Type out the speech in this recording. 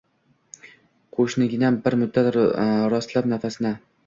Qushginam, bir muddat rostlab nafasni